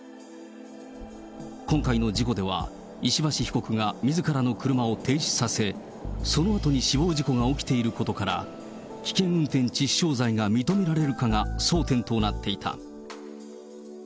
今回の事故では、石橋被告がみずからの車を停止させ、そのあとに死亡事故が起きていることから、危険運転致死傷罪が認められるかが争点となっていた。